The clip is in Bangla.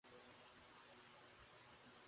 উহা আমার সারা জীবনের প্রয়োজনেরও অতিরিক্ত।